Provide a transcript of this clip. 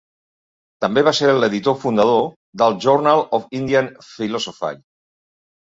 També va ser l'editor fundador del Journal of Indian Philosophy.